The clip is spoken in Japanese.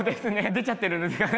出ちゃってるんですかね。